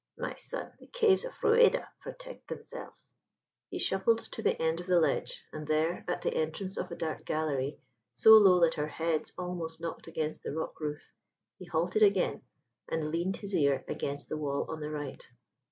My son, the caves of Rueda protect themselves." He shuffled to the end of the ledge, and there, at the entrance of a dark gallery, so low that our heads almost knocked against the rock roof, he halted again and leaned his ear against the wall on the right.